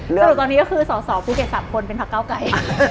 สรุปตอนนี้ก็คือสอสอภูเก็ต๓คนเป็นพักเก้าไกร